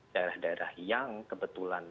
daerah daerah yang kebetulan